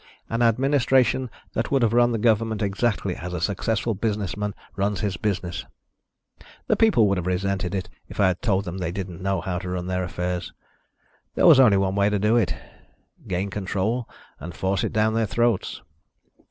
An administration that would have run the government exactly as a successful businessman runs his business. The people would have resented it if I had told them they didn't know how to run their affairs. There was only one way to do it ... gain control and force it down their throats."